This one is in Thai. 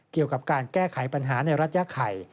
เกี่ยวกับการแก้ไขปัญหาในรัฐยาไข่